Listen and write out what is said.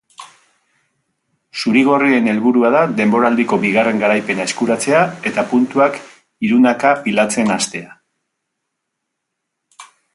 Zuri-gorrien helburua da denboraldiko bigarren garaipena eskuratzea eta puntuak hirunaka pilatzen hastea.